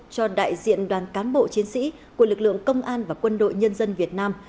cho đại diện đoàn cán bộ chiến sĩ của lực lượng công an và quân đội nhân dân việt nam